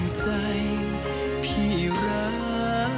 จำใจข่มใจไปจากมุม